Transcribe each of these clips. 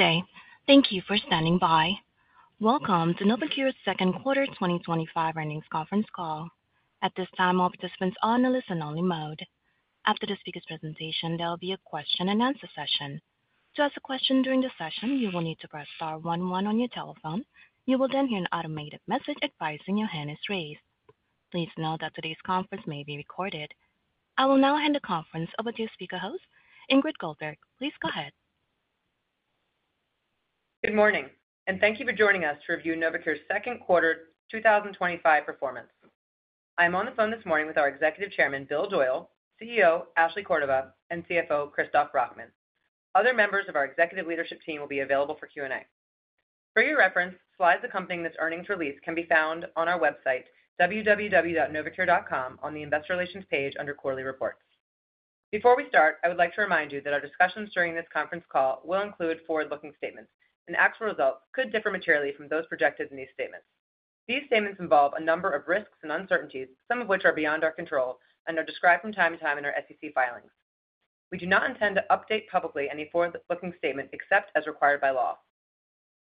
Today, thank you for standing by. Welcome to Novocure's second quarter 2025 earnings conference call. At this time, all participants are in a listen-only mode. After the speaker's presentation, there will be a question and answer session. To ask a question during the session, you will need to press star one one on your telephone. You will then hear an automated message advising your hand is raised. Please note that today's conference may be recorded. I will now hand the conference over to your speaker host, Ingrid Goldberg. Please go ahead. Good morning, and thank you for joining us to review Novocure's second quarter 2025 performance. I'm on the phone this morning with our Executive Chairman, Bill Doyle, CEO Ashley Cordova, and CFO Christoph Brackmann. Other members of our executive leadership team will be available for Q&A. For your reference, slides accompanying this earnings release can be found on our website, www.novocure.com, on the investor relations page under quarterly reports. Before we start, I would like to remind you that our discussions during this conference call will include forward-looking statements, and actual results could differ materially from those projected in these statements. These statements involve a number of risks and uncertainties, some of which are beyond our control and are described from time to time in our SEC filings. We do not intend to update publicly any forward-looking statement except as required by law.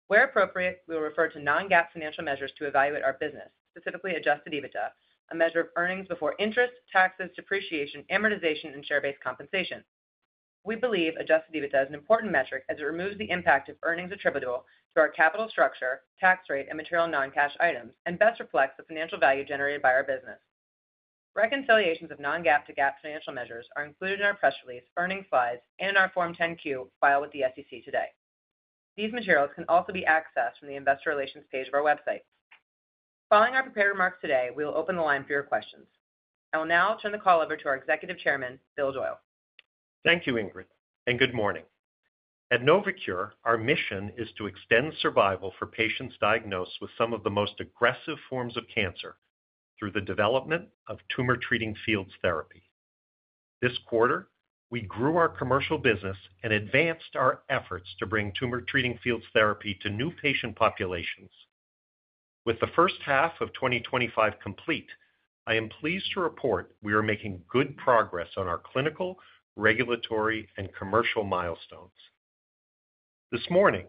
Where appropriate, we will refer to non-GAAP financial measures to evaluate our business, specifically adjusted EBITDA, a measure of earnings before interest, taxes, depreciation, amortization, and share-based compensation. We believe adjusted EBITDA is an important metric as it removes the impact of earnings attributable to our capital structure, tax rate, and material non-cash items, and best reflects the financial value generated by our business. Reconciliations of non-GAAP to GAAP financial measures are included in our press release, earnings slides, and in our Form 10-Q filed with the SEC today. These materials can also be accessed from the investor relations page of our website. Following our prepared remarks today, we will open the line for your questions. I will now turn the call over to our Executive Chairman, Bill Doyle. Thank you, Ingrid, and good morning. At Novocure, our mission is to extend survival for patients diagnosed with some of the most aggressive forms of cancer through the development of Tumor Treating Fields therapy. This quarter, we grew our commercial business and advanced our efforts to bring Tumor Treating Fields therapy to new patient populations. With the first half of 2025 complete, I am pleased to report we are making good progress on our clinical, regulatory, and commercial milestones. This morning,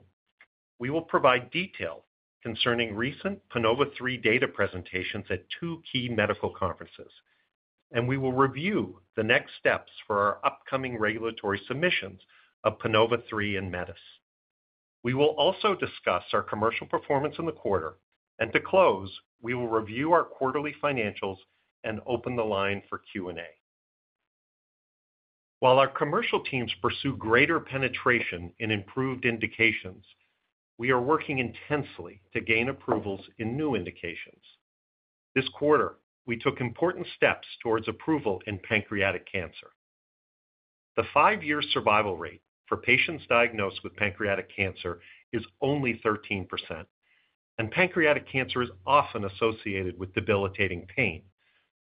we will provide detail concerning recent PANOVA-3 data presentations at two key medical conferences, and we will review the next steps for our upcoming regulatory submissions of PANOVA-3 and METIS. We will also discuss our commercial performance in the quarter, and to close, we will review our quarterly financials and open the line for Q&A. While our commercial teams pursue greater penetration in approved indications, we are working intensely to gain approvals in new indications. This quarter, we took important steps towards approval in pancreatic cancer. The five-year survival rate for patients diagnosed with pancreatic cancer is only 13%, and pancreatic cancer is often associated with debilitating pain,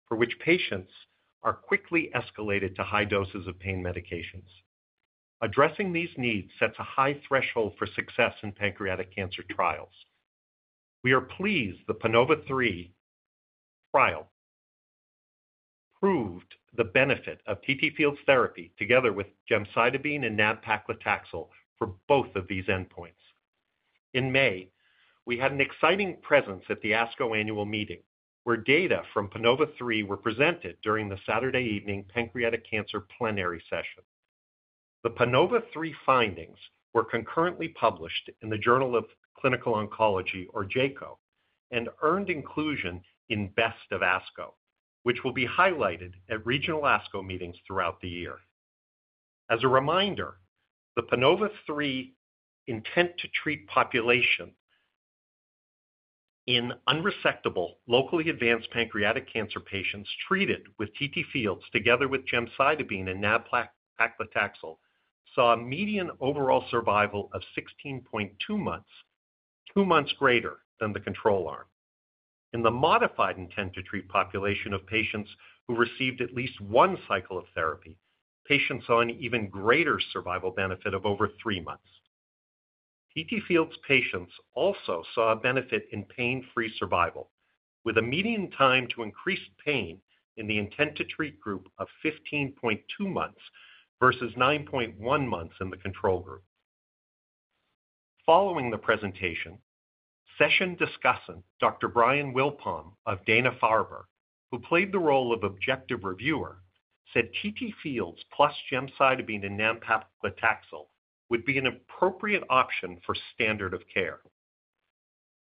for which patients are quickly escalated to high doses of pain medications. Addressing these needs sets a high threshold for success in pancreatic cancer trials. We are pleased the PANOVA-3 trial proved the benefit of TTFields therapy together with gemcitabine and nab-paclitaxel for both of these endpoints. In May, we had an exciting presence at the ASCO annual meeting where data from PANOVA-3 were presented during the Saturday evening pancreatic cancer plenary session. The PANOVA-3 findings were concurrently published in the Journal of Clinical Oncology, or JCO, and earned inclusion in Best of ASCO, which will be highlighted at regional ASCO meetings throughout the year. As a reminder, the PANOVA-3 intent to treat population in unresectable, locally advanced pancreatic cancer patients treated with TTFields together with gemcitabine and nab-paclitaxel saw a median overall survival of 16.2 months, two months greater than the control arm. In the modified intent to treat population of patients who received at least one cycle of therapy, patients saw an even greater survival benefit of over three months. TTFields patients also saw a benefit in pain-free survival, with a median time to increased pain in the intent-to-treat group of 15.2 months versus 9.1 months in the control group. Following the presentation, session discussant Dr. Brian Wolpin of Dana-Farber, who played the role of objective reviewer, said TTFields plus gemcitabine and nab-paclitaxel would be an appropriate option for standard of care.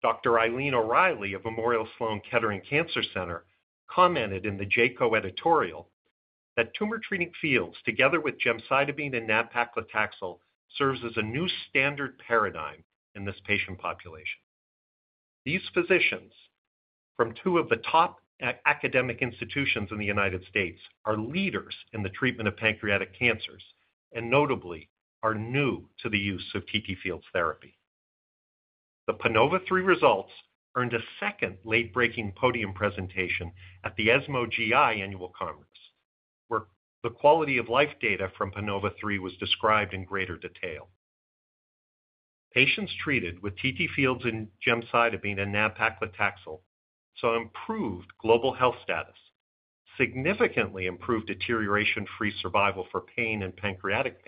Dr. Eileen O'Reilly of Memorial Sloan Kettering Cancer Center commented in the Journal of Clinical Oncology editorial that Tumor Treating Fields together with gemcitabine and nab-paclitaxel serves as a new standard paradigm in this patient population. These physicians from two of the top academic institutions in the United States are leaders in the treatment of pancreatic cancers and notably are new to the use of TTFields therapy. The PANOVA-3 results earned a second late-breaking podium presentation at the ESMO GI annual conference, where the quality of life data from PANOVA-3 was described in greater detail. Patients treated with TTFields and gemcitabine and nab-paclitaxel saw improved global health status, significantly improved deterioration-free survival for pain and pancreatic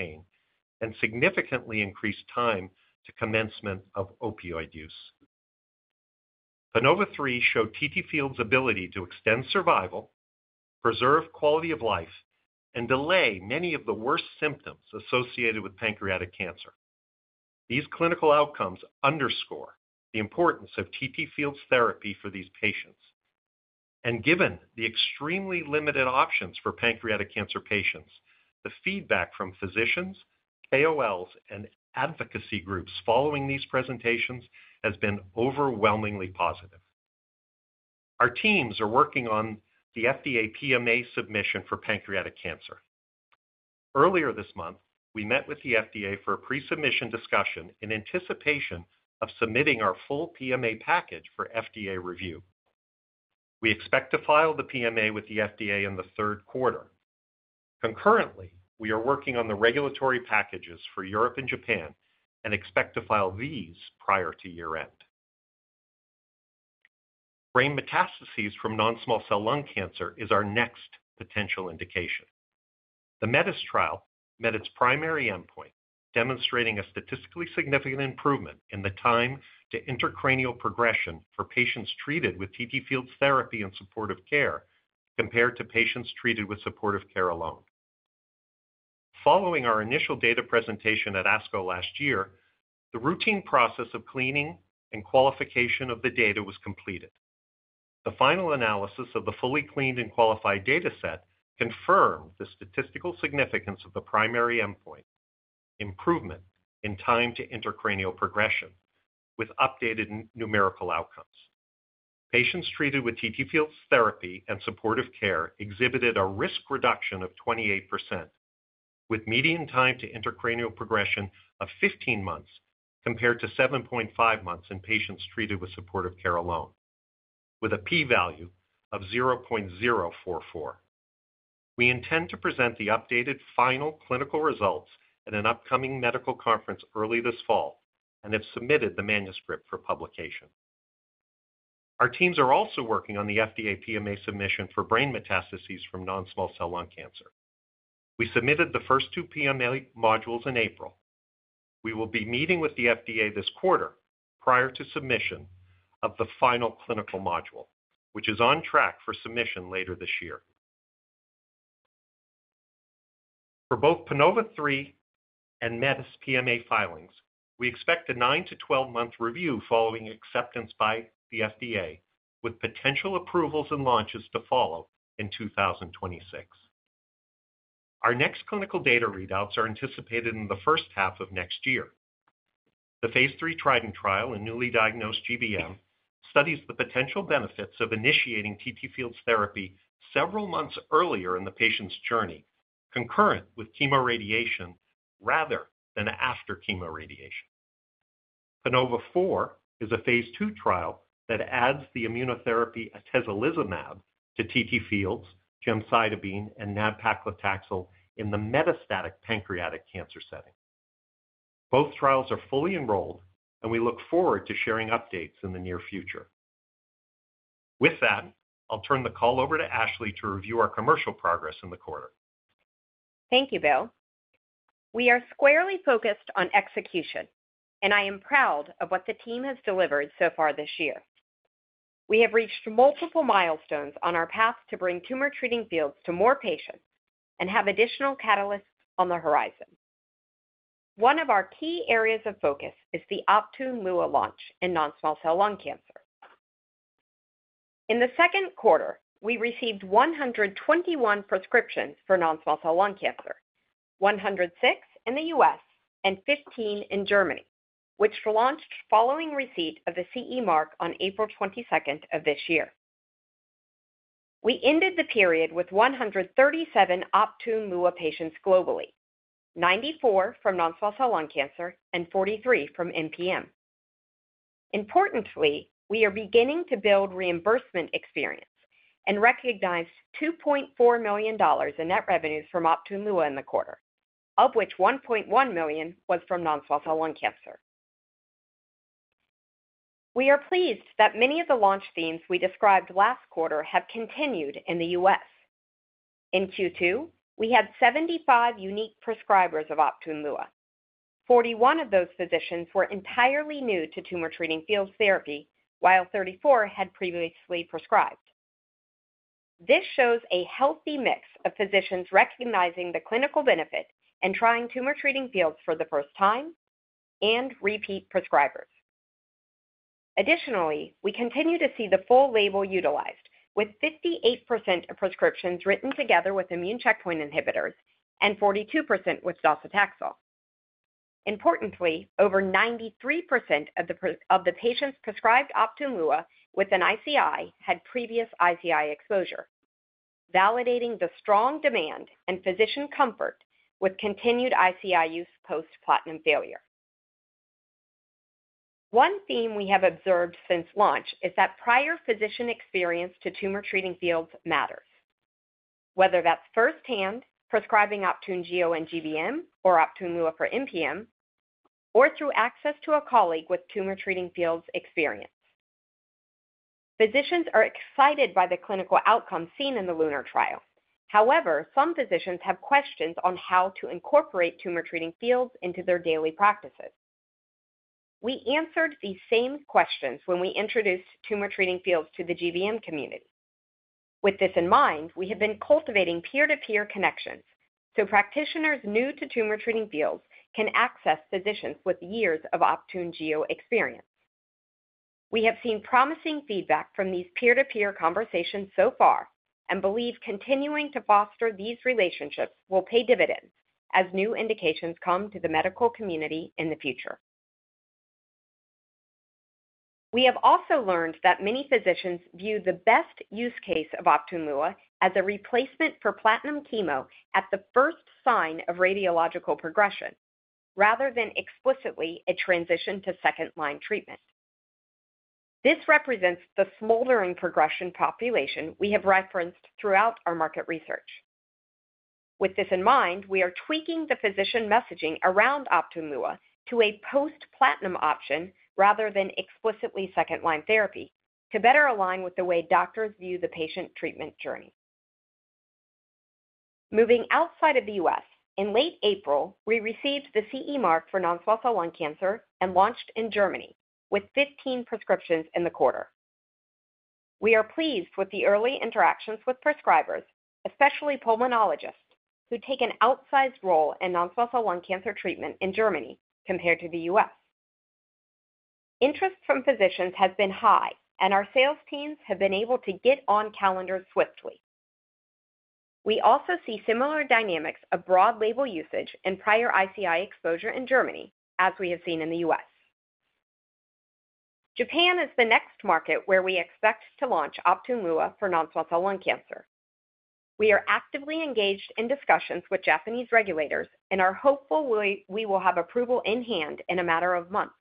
pain, and significantly increased time to commencement of opioid use. PANOVA-3 showed TTFields' ability to extend survival, preserve quality of life, and delay many of the worst symptoms associated with pancreatic cancer. These clinical outcomes underscore the importance of TTFields therapy for these patients. Given the extremely limited options for pancreatic cancer patients, the feedback from physicians, KOLs, and advocacy groups following these presentations has been overwhelmingly positive. Our teams are working on the FDA PMA submission for pancreatic cancer. Earlier this month, we met with the FDA for a pre-submission discussion in anticipation of submitting our full PMA package for FDA review. We expect to file the PMA with the FDA in the third quarter. Concurrently, we are working on the regulatory packages for Europe and Japan and expect to file these prior to year-end. Brain metastases from non-small cell lung cancer is our next potential indication. The METIS trial met its primary endpoint, demonstrating a statistically significant improvement in the time to intracranial progression for patients treated with TTFields therapy and supportive care compared to patients treated with supportive care alone. Following our initial data presentation at ASCO last year, the routine process of cleaning and qualification of the data was completed. The final analysis of the fully cleaned and qualified data set confirmed the statistical significance of the primary endpoint: improvement in time to intracranial progression with updated numerical outcomes. Patients treated with TTFields therapy and supportive care exhibited a risk reduction of 28%, with median time to intracranial progression of 15 months compared to 7.5 months in patients treated with supportive care alone, with a p-value of 0.044. We intend to present the updated final clinical results at an upcoming medical conference early this fall and have submitted the manuscript for publication. Our teams are also working on the FDA PMA submission for brain metastases from non-small cell lung cancer. We submitted the first two PMA modules in April. We will be meeting with the FDA this quarter prior to submission of the final clinical module, which is on track for submission later this year. For both PANOVA-3 and METIS PMA filings, we expect a 9 to 12-month review following acceptance by the FDA, with potential approvals and launches to follow in 2026. Our next clinical data readouts are anticipated in the first half of next year. The Phase III TRIDENT trial in newly diagnosed GBM studies the potential benefits of initiating TTFields therapy several months earlier in the patient's journey, concurrent with chemoradiation rather than after chemoradiation. PANOVA-4 is a Phase II trial that adds the immunotherapy atezolizumab to TTFields, gemcitabine, and nab-paclitaxel in the metastatic pancreatic cancer setting. Both trials are fully enrolled, and we look forward to sharing updates in the near future. With that, I'll turn the call over to Ashley to review our commercial progress in the quarter. Thank you, Bill. We are squarely focused on execution, and I am proud of what the team has delivered so far this year. We have reached multiple milestones on our path to bring Tumor Treating Fields to more patients and have additional catalysts on the horizon. One of our key areas of focus is the Optune Lua launch in non-small cell lung cancer. In the second quarter, we received 121 prescriptions for non-small cell lung cancer, 106 in the U.S. and 15 in Germany, which launched following receipt of the CE mark on April 22 of this year. We ended the period with 137 Optune Lua patients globally, 94 from non-small cell lung cancer and 43 from MPM. Importantly, we are beginning to build reimbursement experience and recognized $2.4 million in net revenues from Optune Lua in the quarter, of which $1.1 million was from non-small cell lung cancer. We are pleased that many of the launch themes we described last quarter have continued in the U.S. In Q2, we had 75 unique prescribers of Optune Lua. 41 of those physicians were entirely new to Tumor Treating Fields therapy, while 34 had previously prescribed. This shows a healthy mix of physicians recognizing the clinical benefit and trying Tumor Treating Fields for the first time and repeat prescribers. Additionally, we continue to see the full label utilized, with 58% of prescriptions written together with immune checkpoint inhibitors and 42% with docetaxel. Importantly, over 93% of the patients prescribed Optune Lua with an ICI had previous ICI exposure, validating the strong demand and physician comfort with continued ICI use post-platinum failure. One theme we have observed since launch is that prior physician experience to Tumor Treating Fields matters, whether that's firsthand, prescribing Optune Gio in GBM or Optune Lua for MPM, or through access to a colleague with Tumor Treating Fields experience. Physicians are excited by the clinical outcomes seen in the LUNAR trial. However, some physicians have questions on how to incorporate Tumor Treating Fields into their daily practices. We answered these same questions when we introduced Tumor Treating Fields to the GBM community. With this in mind, we have been cultivating peer-to-peer connections so practitioners new to Tumor Treating Fields can access physicians with years of Optune Gio experience. We have seen promising feedback from these peer-to-peer conversations so far and believe continuing to foster these relationships will pay dividends as new indications come to the medical community in the future. We have also learned that many physicians view the best use case of Optune Lua as a replacement for platinum chemo at the first sign of radiological progression, rather than explicitly a transition to second-line treatment. This represents the smoldering progression population we have referenced throughout our market research. With this in mind, we are tweaking the physician messaging around Optune Lua to a post-platinum option rather than explicitly second-line therapy to better align with the way doctors view the patient treatment journey. Moving outside of the U.S., in late April, we received the CE mark for non-small cell lung cancer and launched in Germany with 15 prescriptions in the quarter. We are pleased with the early interactions with prescribers, especially pulmonologists, who take an outsized role in non-small cell lung cancer treatment in Germany compared to the U.S. Interest from physicians has been high, and our sales teams have been able to get on calendars swiftly. We also see similar dynamics of broad label usage and prior ICI exposure in Germany, as we have seen in the U.S. Japan is the next market where we expect to launch Optune Lua for non-small cell lung cancer. We are actively engaged in discussions with Japanese regulators and are hopeful we will have approval in hand in a matter of months.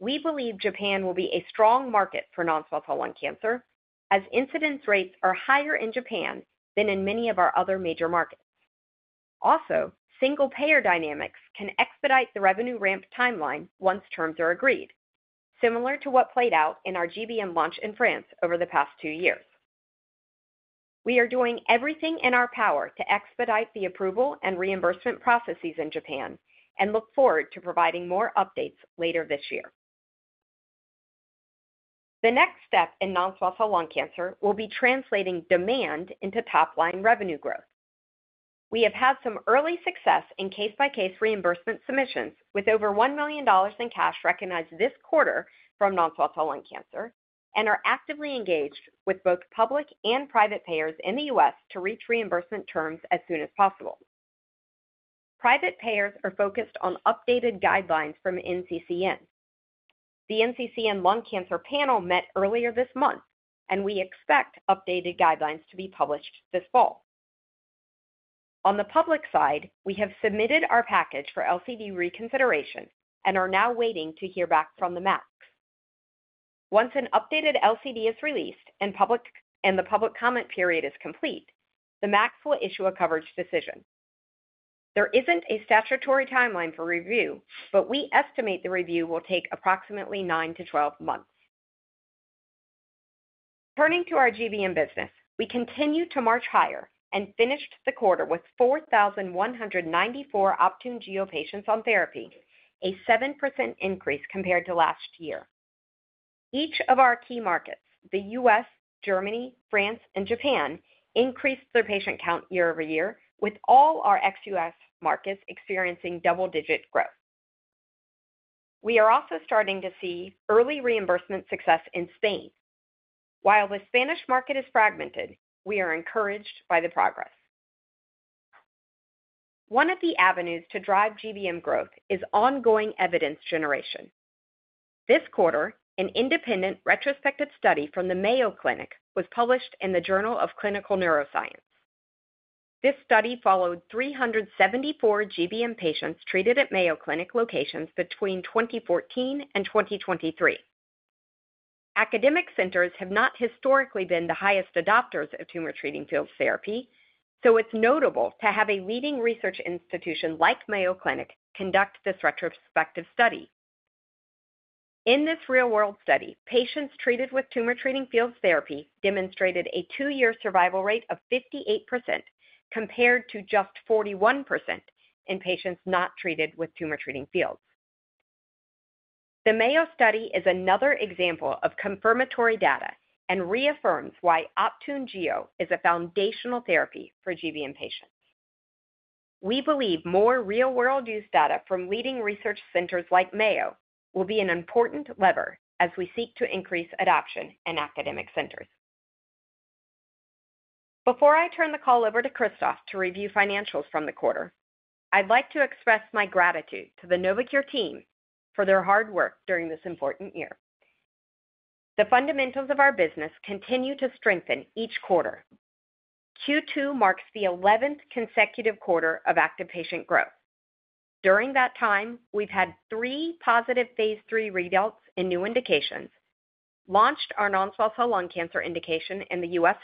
We believe Japan will be a strong market for non-small cell lung cancer, as incidence rates are higher in Japan than in many of our other major markets. Also, single-payer dynamics can expedite the revenue ramp timeline once terms are agreed, similar to what played out in our GBM launch in France over the past two years. We are doing everything in our power to expedite the approval and reimbursement processes in Japan and look forward to providing more updates later this year. The next step in non-small cell lung cancer will be translating demand into top-line revenue growth. We have had some early success in case-by-case reimbursement submissions with over $1 million in cash recognized this quarter from non-small cell lung cancer and are actively engaged with both public and private payers in the U.S. to reach reimbursement terms as soon as possible. Private payers are focused on updated guidelines from NCCN. The NCCN Lung Cancer Panel met earlier this month, and we expect updated guidelines to be published this fall. On the public side, we have submitted our package for LCD reconsideration and are now waiting to hear back from the MACs. Once an updated LCD is released and the public comment period is complete, the MACs will issue a coverage decision. There isn't a statutory timeline for review, but we estimate the review will take approximately nine to 12 months. Turning to our GBM business, we continue to march higher and finished the quarter with 4,194 Optune Lua patients on therapy, a 7% increase compared to last year. Each of our key markets, the U.S., Germany, France, and Japan, increased their patient count year over year, with all our ex-U.S. markets experiencing double-digit growth. We are also starting to see early reimbursement success in Spain. While the Spanish market is fragmented, we are encouraged by the progress. One of the avenues to drive GBM growth is ongoing evidence generation. This quarter, an independent retrospective study from the Mayo Clinic was published in the Journal of Clinical Neuroscience. This study followed 374 GBM patients treated at Mayo Clinic locations between 2014 and 2023. Academic centers have not historically been the highest adopters of Tumor Treating Fields therapy, so it's notable to have a leading research institution like Mayo Clinic conduct this retrospective study. In this real-world study, patients treated with Tumor Treating Fields therapy demonstrated a two-year survival rate of 58% compared to just 41% in patients not treated with Tumor Treating Fields. The Mayo study is another example of confirmatory data and reaffirms why Optune Lua is a foundational therapy for GBM patients. We believe more real-world use data from leading research centers like Mayo will be an important lever as we seek to increase adoption in academic centers. Before I turn the call over to Christoph to review financials from the quarter, I'd like to express my gratitude to the Novocure team for their hard work during this important year. The fundamentals of our business continue to strengthen each quarter. Q2 marks the 11th consecutive quarter of active patient growth. During that time, we've had three positive phase III readouts and new indications, launched our non-small cell lung cancer indication in the U.S.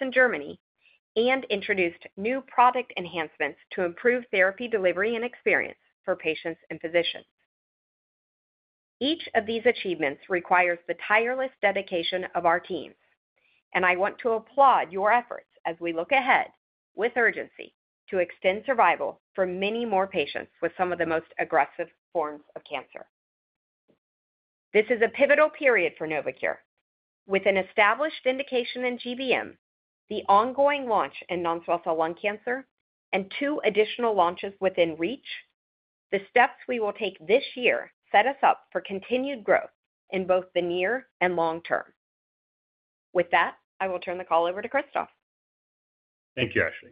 and Germany, and introduced new product enhancements to improve therapy delivery and experience for patients and physicians. Each of these achievements requires the tireless dedication of our teams, and I want to applaud your efforts as we look ahead with urgency to extend survival for many more patients with some of the most aggressive forms of cancer. This is a pivotal period for Novocure. With an established indication in GBM, the ongoing launch in non-small cell lung cancer, and two additional launches within reach, the steps we will take this year set us up for continued growth in both the near and long term. With that, I will turn the call over to Christoph. Thank you, Ashley.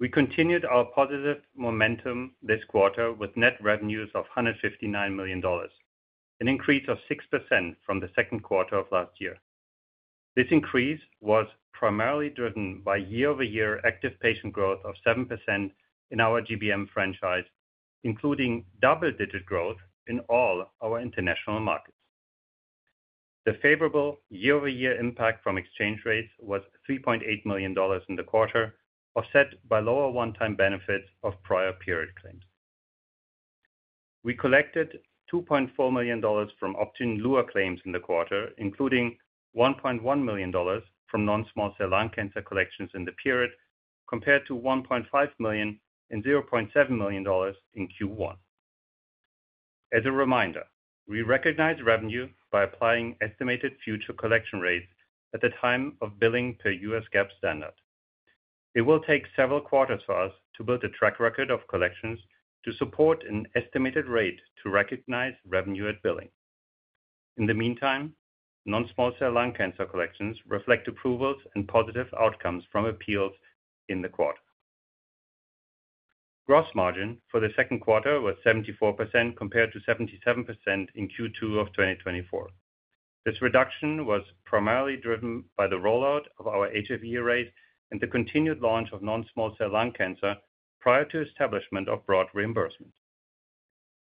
We continued our positive momentum this quarter with net revenues of $159 million, an increase of 6% from the second quarter of last year. This increase was primarily driven by year-over-year active patient growth of 7% in our GBM franchise, including double-digit growth in all our international markets. The favorable year-over-year impact from exchange rates was $3.8 million in the quarter, offset by lower one-time benefits of prior period claims. We collected $2.4 million from Optune Lua claims in the quarter, including $1.1 million from non-small cell lung cancer collections in the period, compared to $1.5 million and $0.7 million in Q1. As a reminder, we recognize revenue by applying estimated future collection rates at the time of billing per U.S. GAAP standard. It will take several quarters for us to build a track record of collections to support an estimated rate to recognize revenue at billing. In the meantime, non-small cell lung cancer collections reflect approvals and positive outcomes from appeals in the quarter. Gross margin for the second quarter was 74% compared to 77% in Q2 of 2024. This reduction was primarily driven by the rollout of our HFE rate and the continued launch of non-small cell lung cancer prior to establishment of broad reimbursement.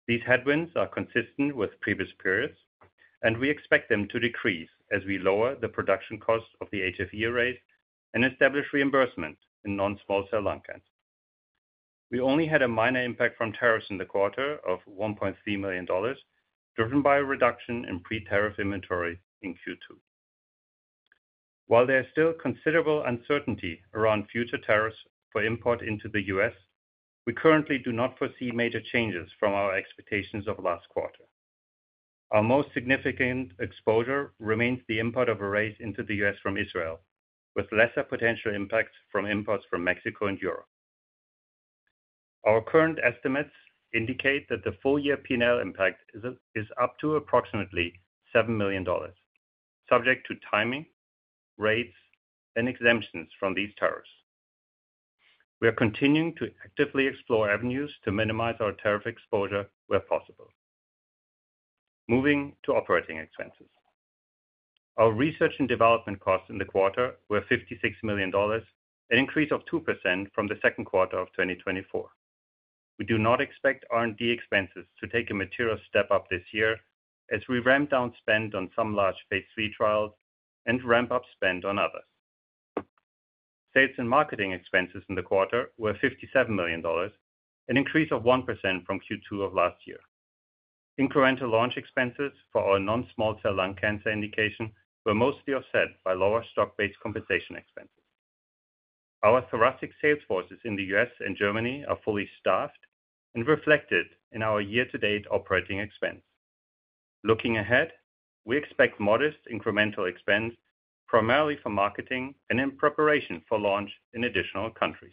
These headwinds are consistent with previous periods, and we expect them to decrease as we lower the production cost of the HFE rate and establish reimbursement in non-small cell lung cancer. We only had a minor impact from tariffs in the quarter of $1.3 million, driven by a reduction in pre-tariff inventory in Q2. While there is still considerable uncertainty around future tariffs for import into the U.S., we currently do not foresee major changes from our expectations of last quarter. Our most significant exposure remains the import of arrays into the U.S. from Israel, with lesser potential impacts from imports from Mexico and Europe. Our current estimates indicate that the full-year PNL impact is up to approximately $7 million, subject to timing, rates, and exemptions from these tariffs. We are continuing to actively explore avenues to minimize our tariff exposure where possible. Moving to operating expenses, our research and development costs in the quarter were $56 million, an increase of 2% from the second quarter of 2024. We do not expect R&D expenses to take a material step up this year as we ramp down spend on some large Phase III trials and ramp up spend on others. Sales and marketing expenses in the quarter were $57 million, an increase of 1% from Q2 of last year. Incremental launch expenses for our non-small cell lung cancer indication were mostly offset by lower stock-based compensation expenses. Our thoracic sales forces in the U.S. and Germany are fully staffed and reflected in our year-to-date operating expense. Looking ahead, we expect modest incremental expense, primarily for marketing and in preparation for launch in additional countries.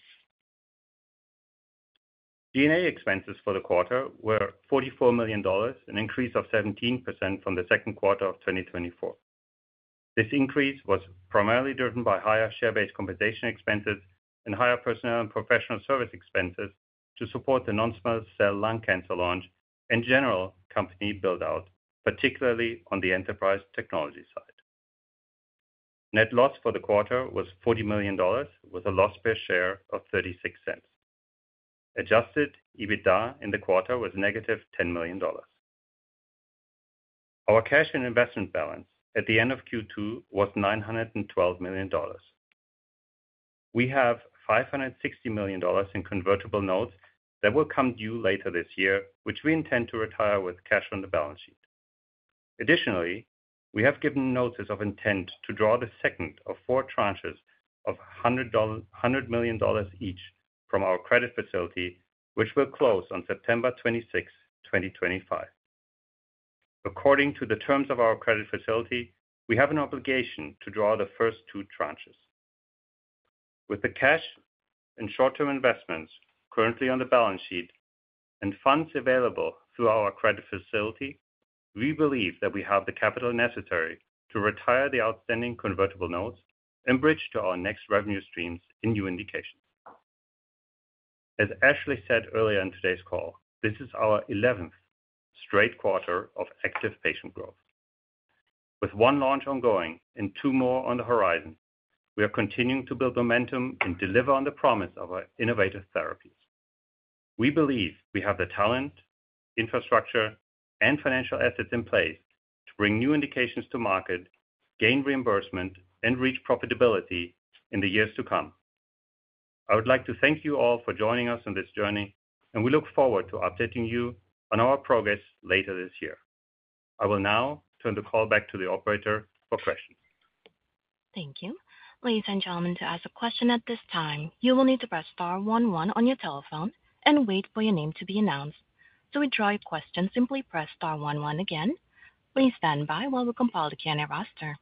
G&A expenses for the quarter were $44 million, an increase of 17% from the second quarter of 2024. This increase was primarily driven by higher share-based compensation expenses and higher personnel and professional service expenses to support the non-small cell lung cancer launch and general company build-out, particularly on the enterprise technology side. Net loss for the quarter was $40 million, with a loss per share of $0.36. Adjusted EBITDA in the quarter was negative $10 million. Our cash and investment balance at the end of Q2 was $912 million. We have $560 million in convertible notes that will come due later this year, which we intend to retire with cash on the balance sheet. Additionally, we have given notice of intent to draw the second of four tranches of $100 million each from our credit facility, which will close on September 26, 2025. According to the terms of our credit facility, we have an obligation to draw the first two tranches. With the cash and short-term investments currently on the balance sheet and funds available through our credit facility, we believe that we have the capital necessary to retire the outstanding convertible notes and bridge to our next revenue streams in new indications. As Ashley said earlier in today's call, this is our 11th straight quarter of active patient growth. With one launch ongoing and two more on the horizon, we are continuing to build momentum and deliver on the promise of our innovative therapies. We believe we have the talent, infrastructure, and financial assets in place to bring new indications to market, gain reimbursement, and reach profitability in the years to come. I would like to thank you all for joining us on this journey, and we look forward to updating you on our progress later this year. I will now turn the call back to the operator for questions. Thank you. Ladies and gentlemen, to ask a question at this time, you will need to press star one one on your telephone and wait for your name to be announced. To withdraw your question, simply press star one one again. Please stand by while we compile the Q&A roster.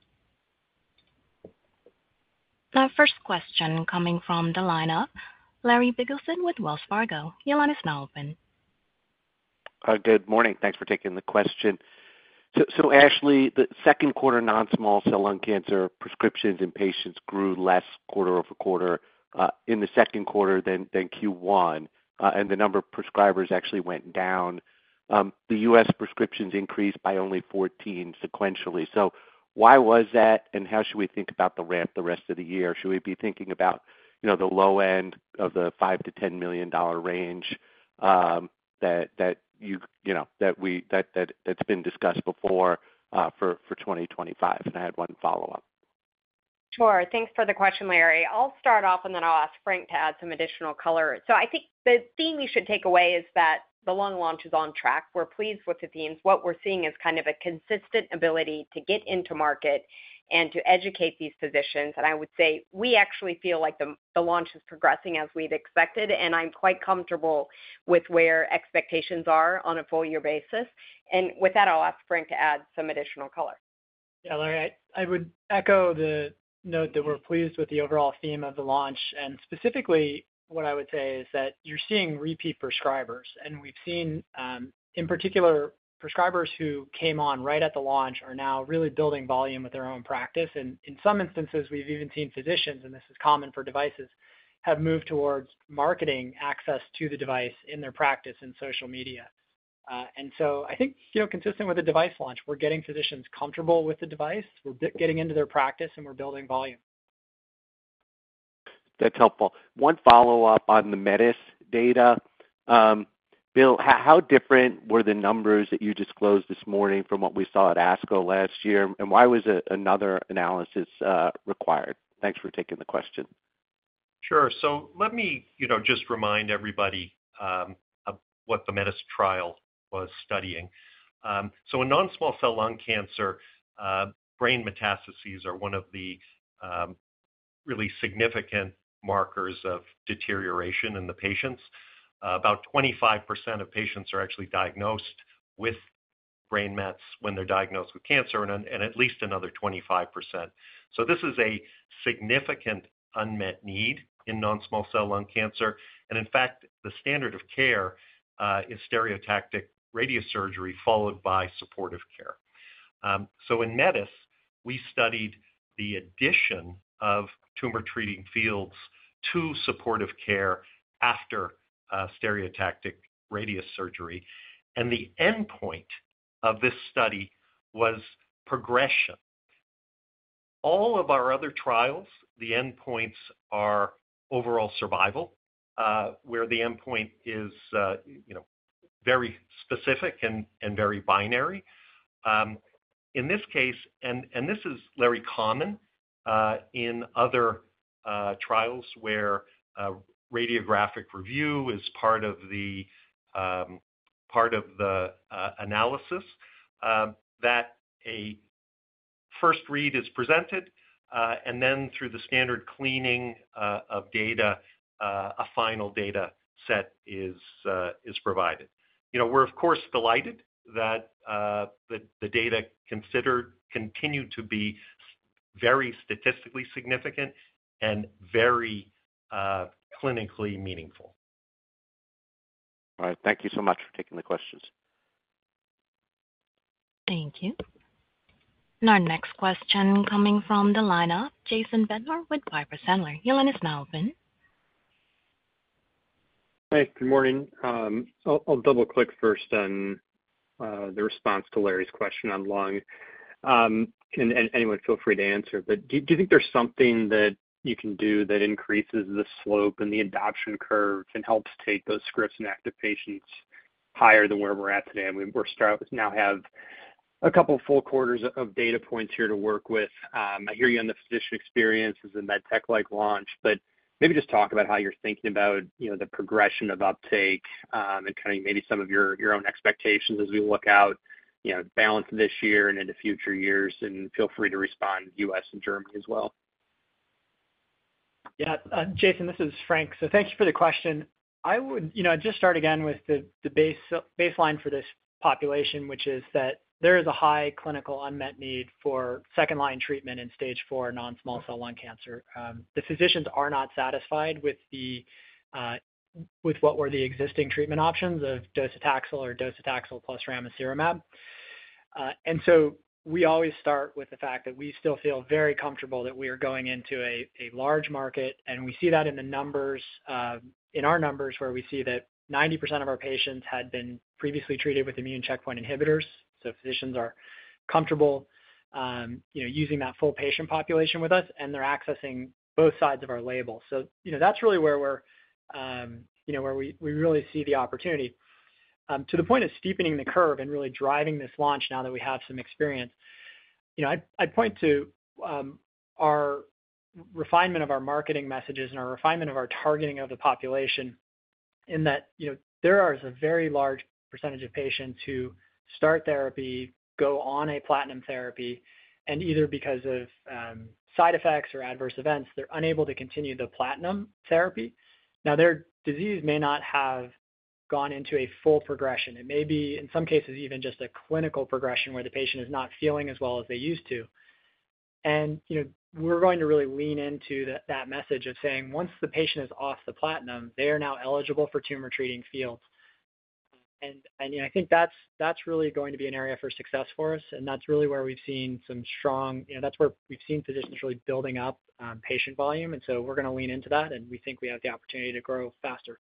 Now, first question coming from the lineup, Larry Biegelsen with Wells Fargo. Your line is now open. Good morning. Thanks for taking the question. Ashley, the second quarter non-small cell lung cancer prescriptions in patients grew less quarter over quarter in the second quarter than Q1, and the number of prescribers actually went down. The U.S. prescriptions increased by only 14 sequentially. Why was that, and how should we think about the ramp the rest of the year? Should we be thinking about the low end of the $5 to $10 million range that's been discussed before for 2025? I had one follow-up. Sure. Thanks for the question, Larry. I'll start off, then I'll ask Frank to add some additional color. I think the theme you should take away is that the lung launch is on track. We're pleased with the themes. What we're seeing is kind of a consistent ability to get into market and to educate these physicians. I would say we actually feel like the launch is progressing as we'd expected, and I'm quite comfortable with where expectations are on a full-year basis. With that, I'll ask Frank to add some additional color. Yeah, Larry, I would echo the note that we're pleased with the overall theme of the launch. Specifically, what I would say is that you're seeing repeat prescribers, and we've seen, in particular, prescribers who came on right at the launch are now really building volume with their own practice. In some instances, we've even seen physicians, and this is common for devices, have moved towards marketing access to the device in their practice and social media. I think, you know, consistent with the device launch, we're getting physicians comfortable with the device, we're getting into their practice, and we're building volume. That's helpful. One follow-up on the METIS data. Bill, how different were the numbers that you disclosed this morning from what we saw at ASCO last year, and why was another analysis required? Thanks for taking the question. Sure. Let me just remind everybody of what the METIS clinical trial was studying. In NSCLC, brain metastases are one of the really significant markers of deterioration in the patients. About 25% of patients are actually diagnosed with brain metastases when they're diagnosed with cancer, and at least another 25%. This is a significant unmet need in NSCLC. In fact, the standard of care is stereotactic radiosurgery followed by supportive care. In METIS, we studied the addition of Tumor Treating Fields to supportive care after stereotactic radiosurgery, and the endpoint of this study was progression. All of our other trials, the endpoints are overall survival, where the endpoint is very specific and very binary. In this case, and this is very common in other trials where radiographic review is part of the analysis, a first read is presented, and then through the standard cleaning of data, a final data set is provided. We're, of course, delighted that the data continue to be very statistically significant and very clinically meaningful. All right. Thank you so much for taking the questions. Thank you. Our next question coming from the lineup, Jason Bednar with Piper Sandler. He'll let us know. Thanks. Good morning. I'll double-click first on the response to Larry's question on lung. Anyone feel free to answer, but do you think there's something that you can do that increases the slope and the adoption curve and helps take those scripts and active patients higher than where we're at today? We now have a couple of full quarters of data points here to work with. I hear you on the physician experiences and that tech-like launch, but maybe just talk about how you're thinking about the progression of uptake and kind of maybe some of your own expectations as we look out, you know, balance this year and into future years, and feel free to respond in the U.S. and Germany as well. Yeah. Jason, this is Frank. Thank you for the question. I would just start again with the baseline for this population, which is that there is a high clinical unmet need for second-line treatment in stage IV non-small cell lung cancer. The physicians are not satisfied with what were the existing treatment options of docetaxel or docetaxel +ramucirumab. We always start with the fact that we still feel very comfortable that we are going into a large market, and we see that in the numbers, in our numbers where we see that 90% of our patients had been previously treated with immune checkpoint inhibitors. Physicians are comfortable using that full patient population with us, and they're accessing both sides of our label. That's really where we really see the opportunity. To the point of steepening the curve and really driving this launch now that we have some experience, I'd point to our refinement of our marketing messages and our refinement of our targeting of the population in that there is a very large percentage of patients who start therapy, go on a platinum therapy, and either because of side effects or adverse events, they're unable to continue the platinum therapy. Now, their disease may not have gone into a full progression. It may be, in some cases, even just a clinical progression where the patient is not feeling as well as they used to. We're going to really lean into that message of saying once the patient is off the platinum, they are now eligible for Tumor Treating Fields. I think that's really going to be an area for success for us, and that's really where we've seen some strong, that's where we've seen physicians really building up patient volume. We're going to lean into that, and we think we have the opportunity to grow faster.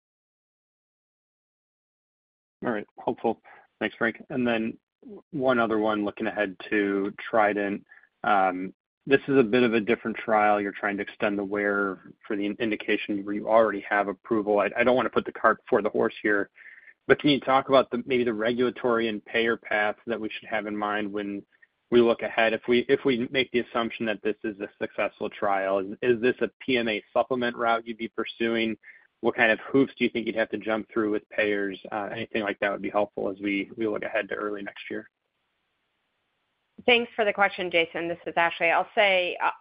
All right. Helpful. Thanks, Frank. One other one, looking ahead to TRIDENT. This is a bit of a different trial. You're trying to extend the wear for the indication where you already have approval. I don't want to put the cart before the horse here, but can you talk about maybe the regulatory and payer path that we should have in mind when we look ahead? If we make the assumption that this is a successful trial, is this a PMA supplement route you'd be pursuing? What kind of hoops do you think you'd have to jump through with payers? Anything like that would be helpful as we look ahead to early next year. Thanks for the question, Jason. This is Ashley. I'll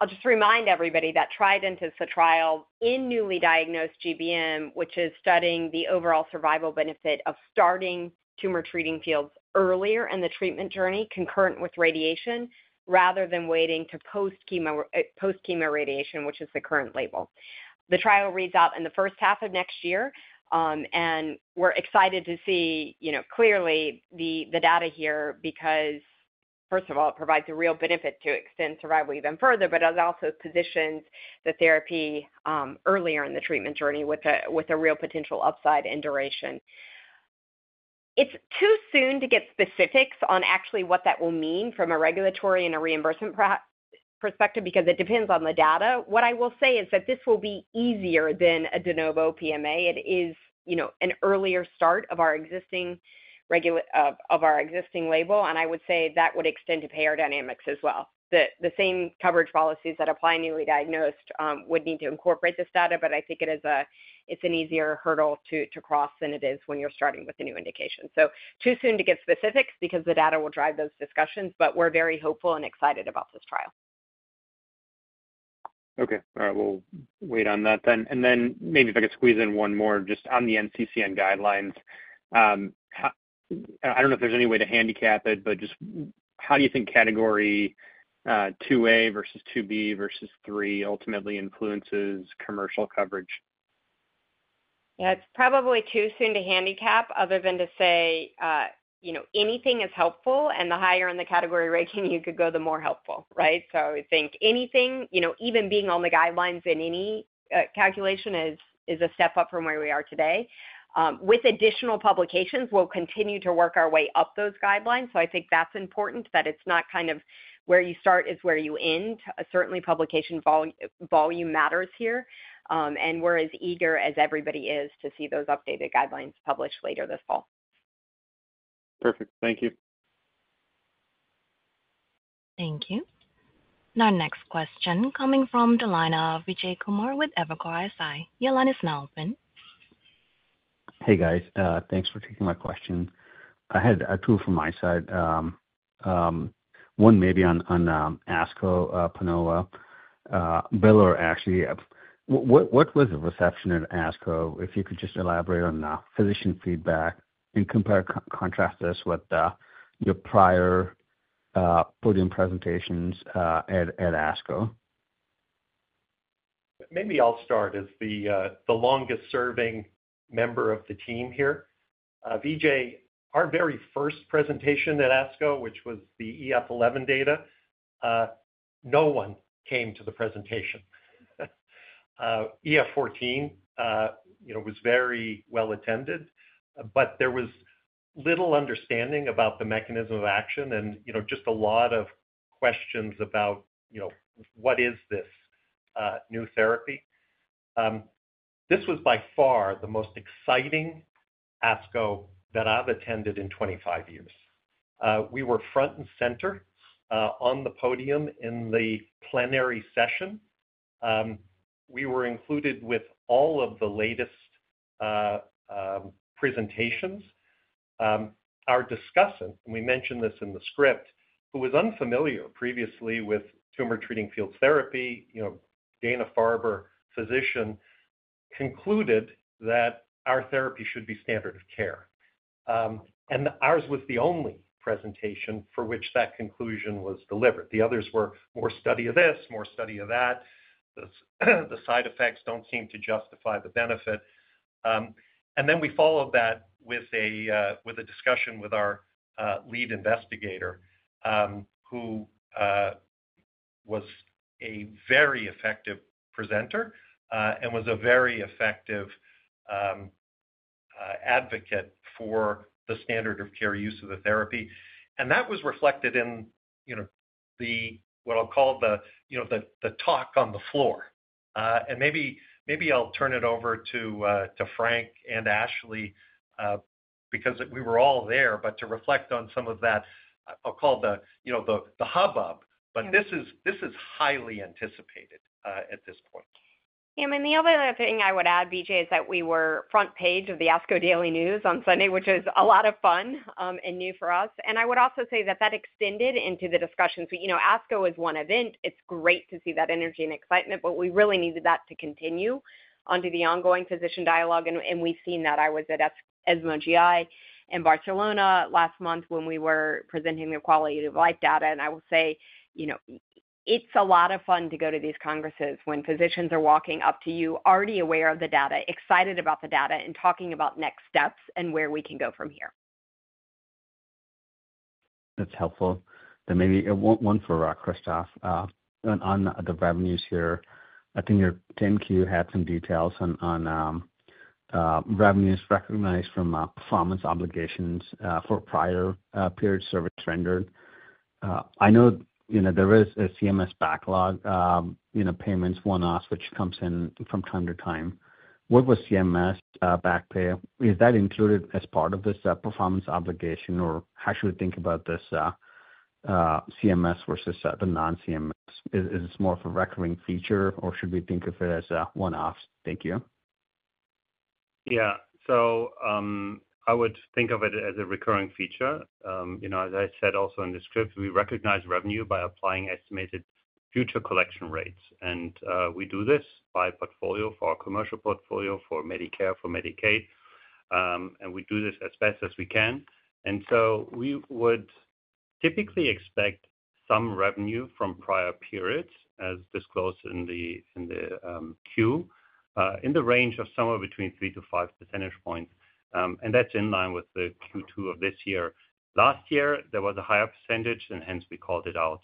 just remind everybody that TRIDENT is a trial in newly diagnosed GBM, which is studying the overall survival benefit of starting Tumor Treating Fields earlier in the treatment journey, concurrent with radiation, rather than waiting to post-chemo radiation, which is the current label. The trial reads out in the first half of next year, and we're excited to see clearly the data here because, first of all, it provides a real benefit to extend survival even further, but it also positions the therapy earlier in the treatment journey with a real potential upside in duration. It's too soon to get specifics on actually what that will mean from a regulatory and a reimbursement perspective because it depends on the data. What I will say is that this will be easier than a de novo PMA. It is an earlier start of our existing label, and I would say that would extend to payer dynamics as well. The same coverage policies that apply in newly diagnosed would need to incorporate this data, but I think it's an easier hurdle to cross than it is when you're starting with a new indication. Too soon to get specifics because the data will drive those discussions, but we're very hopeful and excited about this trial. All right. We'll wait on that then. Maybe if I could squeeze in one more just on the NCCN guidelines. I don't know if there's any way to handicap it, but just how do you think category 2A versus 2B versus three ultimately influences commercial coverage? Yeah, it's probably too soon to handicap other than to say anything is helpful, and the higher in the category ranking you could go, the more helpful, right? I think anything, even being on the guidelines in any calculation, is a step up from where we are today. With additional publications, we'll continue to work our way up those guidelines. I think that's important, that it's not kind of where you start is where you end. Certainly, publication volume matters here. We're as eager as everybody is to see those updated guidelines published later this fall. Perfect. Thank you. Thank you. Now, next question coming from the line of Vijay Kumar with Evercore ISI. He'll let us know. Hey, guys. Thanks for taking my question. I had two from my side. One maybe on ASCO, PANOVA. Bill or Ashley, what was the reception at ASCO? If you could just elaborate on physician feedback and compare and contrast this with your prior podium presentations at ASCO. Maybe I'll start as the longest-serving member of the team here. Vijay, our very first presentation at ASCO, which was the EF-11 data, no one came to the presentation. EF-14 was very well attended, but there was little understanding about the mechanism of action and just a lot of questions about what is this new therapy. This was by far the most exciting ASCO that I've attended in 25 years. We were front and center on the podium in the plenary session. We were included with all of the latest presentations. Our discussant, and we mentioned this in the script, who was unfamiliar previously with Tumor Treating Fields therapy, Dana-Farber physician, concluded that our therapy should be standard of care. Ours was the only presentation for which that conclusion was delivered. The others were more study of this, more study of that. The side effects don't seem to justify the benefit. We followed that with a discussion with our lead investigator, who was a very effective presenter and was a very effective advocate for the standard of care use of the therapy. That was reflected in what I'll call the talk on the floor. Maybe I'll turn it over to Frank and Ashley because we were all there, to reflect on some of that, I'll call the hubbub. This is highly anticipated at this point. Yeah, I mean, the only other thing I would add, Vijay, is that we were front page of the ASCO Daily News on Sunday, which is a lot of fun and new for us. I would also say that that extended into the discussions. ASCO is one event. It's great to see that energy and excitement, but we really needed that to continue onto the ongoing physician dialogue. We've seen that. I was at ESMO GI in Barcelona last month when we were presenting the quality of life data. I will say, you know, it's a lot of fun to go to these congresses when physicians are walking up to you already aware of the data, excited about the data, and talking about next steps and where we can go from here. That's helpful. Maybe one for Christoph. On the revenues here, I think your 10-Q had some details on revenues recognized from performance obligations for prior period service rendered. I know there is a CMS backlog payments one-offs, which comes in from time to time. What was CMS back pay? Is that included as part of this performance obligation, or how should we think about this CMS versus the non-CMS? Is this more of a recurring feature, or should we think of it as one-offs? Thank you. Yeah. I would think of it as a recurring feature. As I said also in the script, we recognize revenue by applying estimated future collection rates. We do this by portfolio for our commercial portfolio, for Medicare, for Medicaid. We do this as best as we can. We would typically expect some revenue from prior periods, as disclosed in the 10-Q, in the range of somewhere between 3% to 5%. That's in line with Q2 of this year. Last year, there was a higher percentage, and hence we called it out.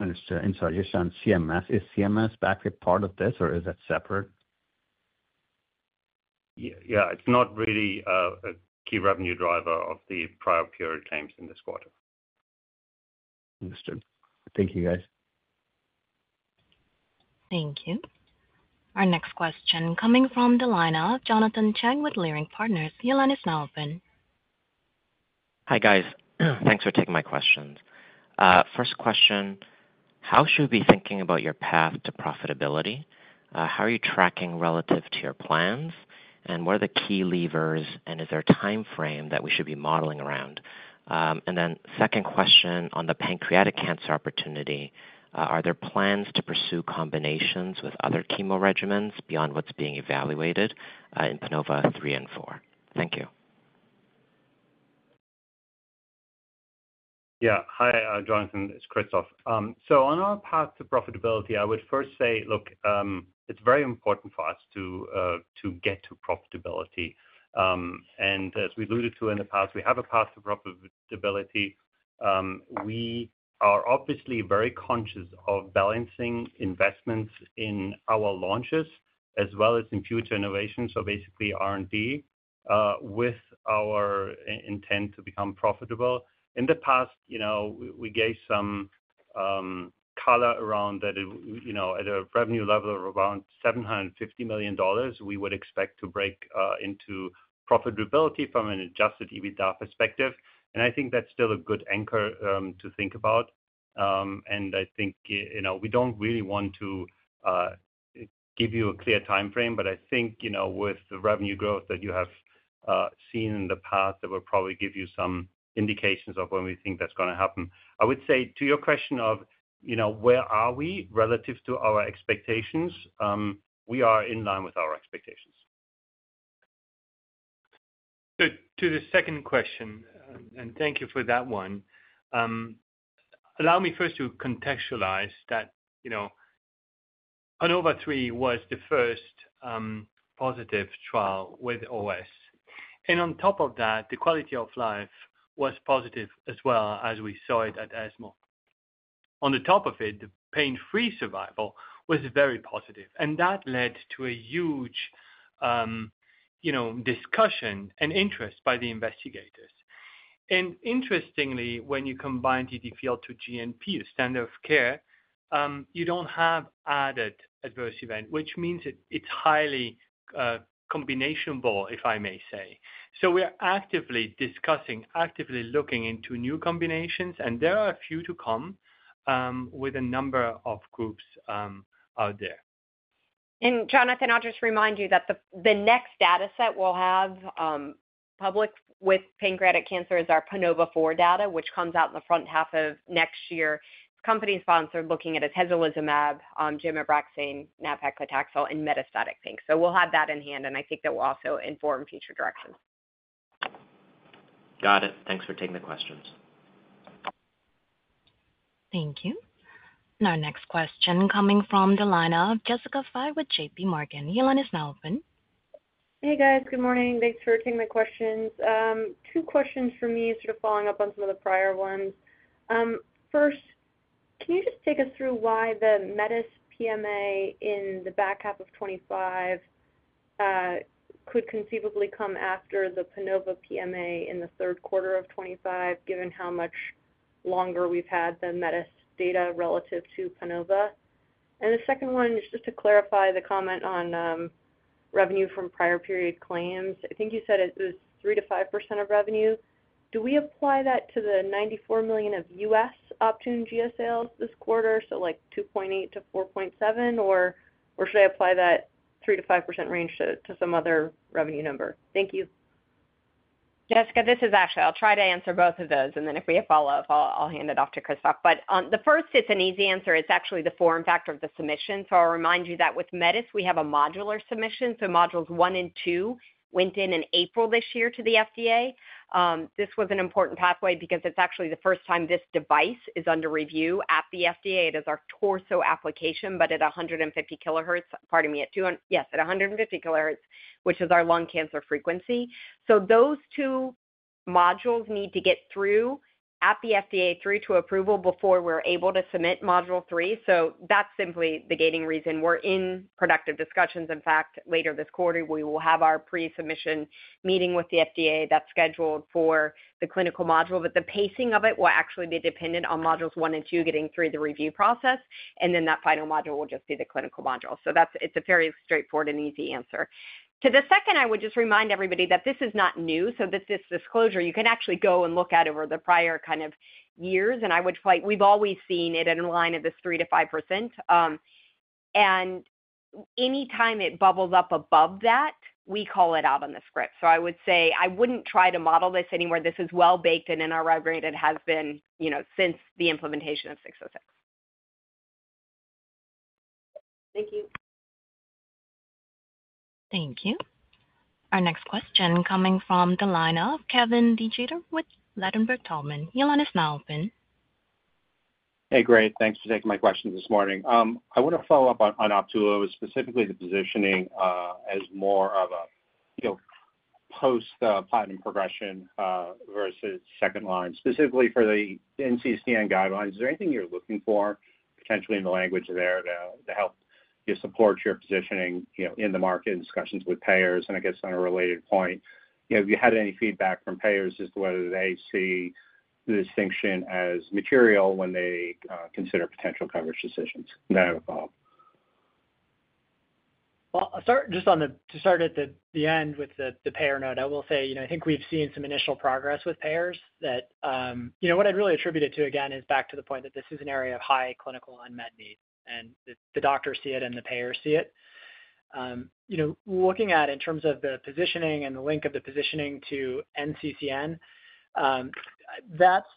Understood. I guess on CMS, is CMS back pay part of this, or is it separate? Yeah, it's not really a key revenue driver of the prior period claims in this quarter. Understood. Thank you, guys. Thank you. Our next question coming from the lineup, Jonathan Chang with Leerink Partners. He'll let us know. Hi, guys. Thanks for taking my questions. First question, how should we be thinking about your path to profitability? How are you tracking relative to your plans? What are the key levers, and is there a timeframe that we should be modeling around? Second question on the pancreatic cancer opportunity, are there plans to pursue combinations with other chemo regimens beyond what's being evaluated in PANOVA-3 and four? Thank you. Yeah. Hi, Jonathan. It's Christoph. On our path to profitability, I would first say, look, it's very important for us to get to profitability. As we alluded to in the past, we have a path to profitability. We are obviously very conscious of balancing investments in our launches as well as in future innovations, so basically R&D, with our intent to become profitable. In the past, we gave some color around that, at a revenue level of around $750 million, we would expect to break into profitability from an adjusted EBITDA perspective. I think that's still a good anchor to think about. I think we don't really want to give you a clear timeframe, but with the revenue growth that you have seen in the past, that will probably give you some indications of when we think that's going to happen. I would say to your question of where are we relative to our expectations, we are in line with our expectations. To the second question, and thank you for that one, allow me first to contextualize that PANOVA-3 was the first positive trial with OS. On top of that, the quality of life was positive as well as we saw it at ESMO. On top of it, the pain-free survival was very positive. That led to a huge discussion and interest by the investigators. Interestingly, when you combine TTFields to gemcitabine and nab-paclitaxel, your standard of care, you don't have added adverse event, which means it's highly combinationable, if I may say. We're actively discussing, actively looking into new combinations, and there are a few to come with a number of groups out there. Jonathan, I'll just remind you that the next data set we'll have public with pancreatic cancer is our PANOVA-3 data, which comes out in the front half of next year. Company-sponsored, looking at gemcitabine, nab-paclitaxel, and metastatic things. We'll have that in hand, and I think that will also inform future directions. Got it. Thanks for taking the questions. Thank you. Next question coming from the lineup, Jessica Fye with J.P. Morgan. He'll let us know. Hey, guys. Good morning. Thanks for taking my questions. Two questions for me, sort of following up on some of the prior ones. First, can you just take us through why the METIS PMA in the back half of 2025 could conceivably come after the PANOVA PMA in the third quarter of 2025, given how much longer we've had the METIS data relative to PANOVA? The second one, just to clarify the comment on revenue from prior period claims, I think you said it was 3% to 5% of revenue. Do we apply that to the $94 million of U.S. Optune Lua sales this quarter, so like $2.8 million to $4.7 million, or should I apply that 3% to 5% range to some other revenue number? Thank you. Jessica, this is Ashley. I'll try to answer both of those, and then if we have follow-up, I'll hand it off to Christoph. On the first, it's an easy answer. It's actually the form factor of the submission. I'll remind you that with METIS, we have a modular submission. Modules 1 and 2 went in in April this year to the FDA. This was an important pathway because it's actually the first time this device is under review at the FDA. It is our torso application, at 150 kilohertz, which is our lung cancer frequency. Those two modules need to get through at the FDA through to approval before we're able to submit module 3. That's simply the gating reason. We're in productive discussions. In fact, later this quarter, we will have our pre-submission meeting with the FDA that's scheduled for the clinical module. The pacing of it will actually be dependent on modules 1 and 2 getting through the review process, and then that final module will just be the clinical module. It's a fairly straightforward and easy answer. To the second, I would just remind everybody that this is not new. This disclosure, you can actually go and look at over the prior years, and I would like, we've always seen it in the line of this 3% to 5%. Anytime it bubbles up above that, we call it out on the script. I would say I wouldn't try to model this anywhere. This is well baked, and in our roadmap, it has been since the implementation of 606. Thank you. Our next question coming from the lineup, Kevin DeGeeter with Ladenburg Thalmann. He'll let us know. Hey, great. Thanks for taking my questions this morning. I want to follow up on Optune Lua, specifically the positioning as more of a post-platinum progression versus second line, specifically for the NCCN guidelines. Is there anything you're looking for potentially in the language there to help support your positioning in the market and discussions with payers? I guess on a related point, have you had any feedback from payers as to whether they see the distinction as material when they consider potential coverage decisions? I have a follow-up. To start at the end with the payer note, I will say, I think we've seen some initial progress with payers that, what I'd really attribute it to, again, is back to the point that this is an area of high clinical unmet need, and the doctors see it and the payers see it. Looking at in terms of the positioning and the link of the positioning to NCCN,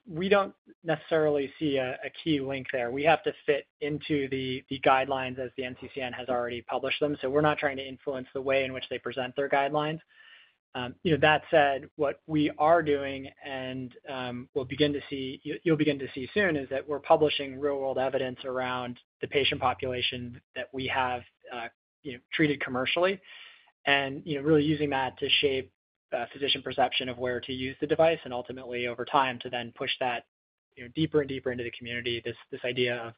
we don't necessarily see a key link there. We have to fit into the guidelines as the NCCN has already published them. We're not trying to influence the way in which they present their guidelines. That said, what we are doing and will begin to see, you'll begin to see soon, is that we're publishing real-world evidence around the patient population that we have treated commercially and really using that to shape physician perception of where to use the device and ultimately over time to then push that deeper and deeper into the community. This idea of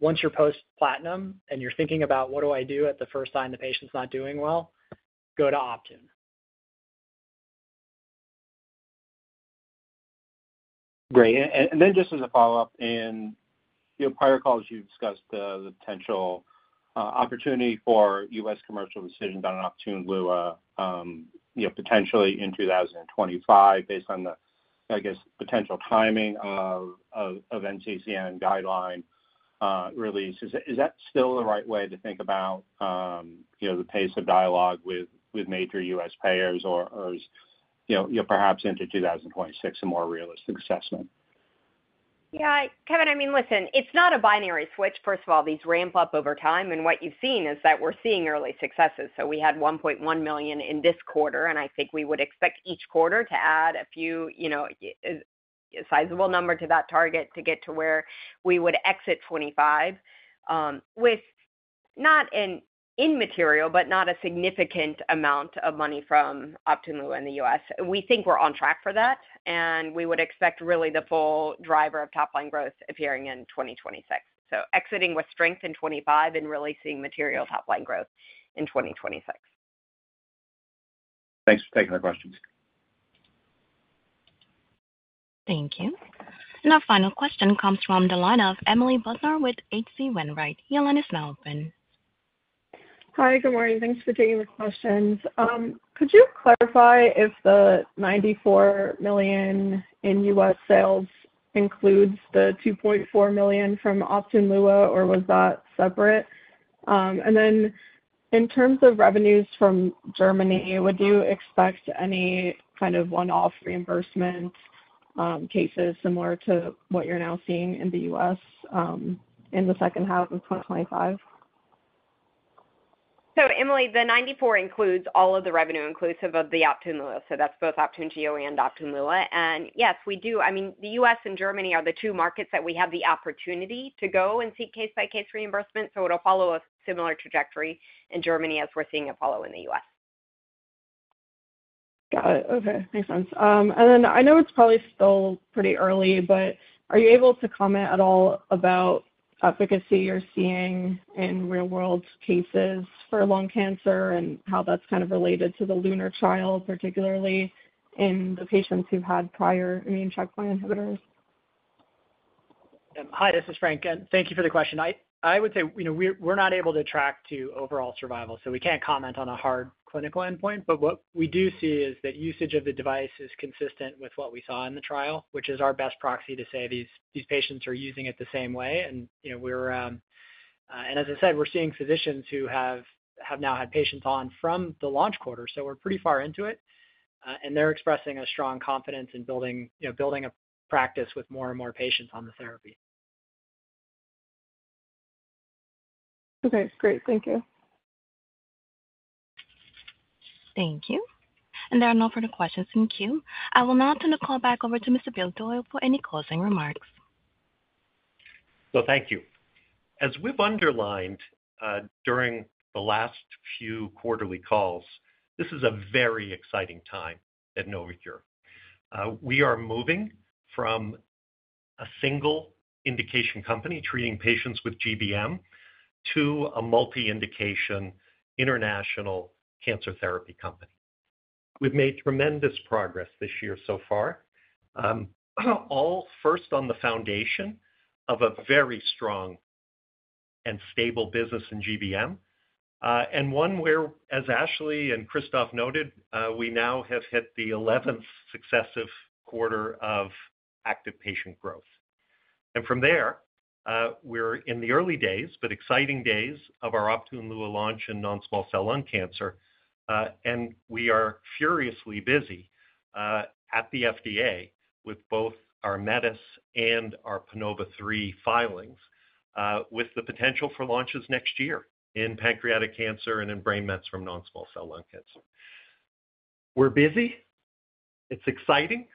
once you're post-platinum and you're thinking about what do I do at the first sign the patient's not doing well, go to Optune. Great. Just as a follow-up, in your prior calls, you discussed the potential opportunity for U.S. commercial decisions on Optune Lua potentially in 2025 based on the, I guess, potential timing of NCCN guideline releases. Is that still the right way to think about the pace of dialogue with major U.S. payers, or is perhaps into 2026 a more realistic assessment? Yeah, Kevin, I mean, listen, it's not a binary switch. First of all, these ramp up over time, and what you've seen is that we're seeing early successes. We had $1.1 million in this quarter, and I think we would expect each quarter to add a few, you know, a sizable number to that target to get to where we would exit 2025 with not an immaterial, but not a significant amount of money from Optune Lua in the U.S. We think we're on track for that, and we would expect really the full driver of top-line growth appearing in 2026. Exiting with strength in 2025 and really seeing material top-line growth in 2026. Thanks for taking the questions. Thank you. Our final question comes from the line of Emily Bodnar with H.C. Wainwright. He'll let us know. Hi. Good morning. Thanks for taking the questions. Could you clarify if the $94 million in U.S. sales includes the $2.4 million from Optune Lua, or was that separate? In terms of revenues from Germany, would you expect any kind of one-off reimbursement cases similar to what you're now seeing in the U.S. in the second half of 2025? The 94 includes all of the revenue inclusive of the Optune Lua. That's both Optune Gio and Optune Lua. Yes, we do. The U.S. and Germany are the two markets that we have the opportunity to go and seek case-by-case reimbursement. It'll follow a similar trajectory in Germany as we're seeing it follow in the U.S. Got it. Okay. Makes sense. Are you able to comment at all about efficacy you're seeing in real-world cases for lung cancer and how that's kind of related to the LUNAR trial, particularly in the patients who've had prior immune checkpoint inhibitors? Hi, this is Frank. Thank you for the question. I would say, you know, we're not able to track to overall survival, so we can't comment on a hard clinical endpoint. What we do see is that usage of the device is consistent with what we saw in the trial, which is our best proxy to say these patients are using it the same way. As I said, we're seeing physicians who have now had patients on from the launch quarter, so we're pretty far into it. They're expressing a strong confidence in building a practice with more and more patients on the therapy. Okay. Great. Thank you. Thank you. There are no further questions. Thank you. I will now turn the call back over to Mr. Bill Doyle for any closing remarks. Thank you. As we've underlined during the last few quarterly calls, this is a very exciting time at Novocure. We are moving from a single indication company treating patients with GBM to a multi-indication international cancer therapy company. We've made tremendous progress this year so far, all first on the foundation of a very strong and stable business in GBM, and one where, as Ashley and Christoph noted, we now have hit the 11th successive quarter of active patient growth. From there, we're in the early days, but exciting days of our Optune Lua launch in non-small cell lung cancer. We are furiously busy at the FDA with both our METIS and our PANOVA-3 filings with the potential for launches next year in pancreatic cancer and in brain metastases from non-small cell lung cancer. We're busy. It's exciting.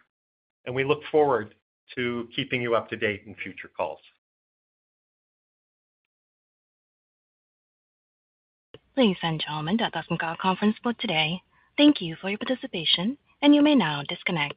We look forward to keeping you up to date in future calls. Ladies and gentlemen, that does conclude our conference for today. Thank you for your participation, and you may now disconnect.